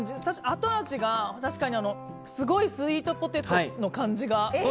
後味がすごいスイートポテトの感じが。